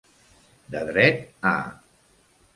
De dret a.